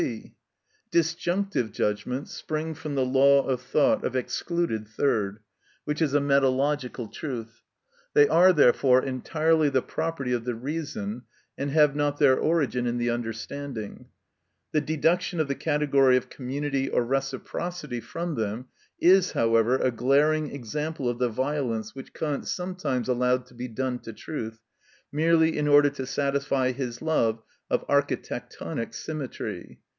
(c.) Disjunctive judgments spring from the law of thought of excluded third, which is a metalogical truth; they are, therefore, entirely the property of the reason, and have not their origin in the understanding. The deduction of the category of community or reciprocity from them is, however, a glaring example of the violence which Kant sometimes allowed to be done to truth, merely in order to satisfy his love of architectonic symmetry.